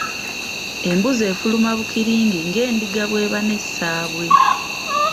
Embuzi efuluma bukiringi ng'endiga bw'eba ne ssaabwe.